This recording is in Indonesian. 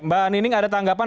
mbak nining ada tanggapan